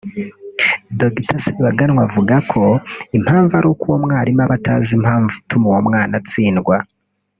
Dr Sebaganwa avuga ko impamvu ari uko uwo mwarimu aba atazi impamvu ituma uwo mwana atsindwa